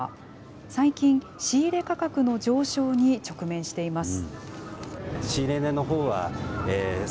最近、仕入れ価格の上昇に直面しています。